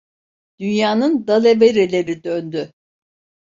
Dünyanın dalavereleri döndü.